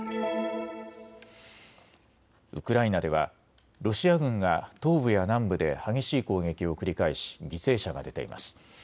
ウクライナではロシア軍が東部や南部で激しい攻撃を繰り返し犠牲者が出ています。